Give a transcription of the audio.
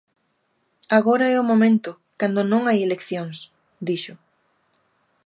"Agora é o momento, cando non hai eleccións", dixo.